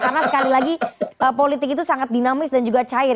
karena sekali lagi politik itu sangat dinamis dan juga cair